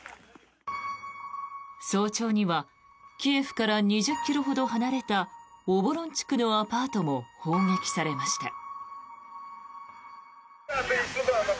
早朝にはキエフから２０ｋｍほど離れたオボロン地区のアパートも砲撃されました。